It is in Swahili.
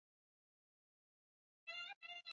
Nikitembea pote duniani, ndege huimba, nawasikia,